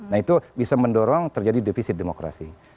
nah itu bisa mendorong terjadi defisit demokrasi